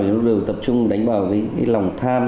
chúng ta đều tập trung đánh vào lòng tham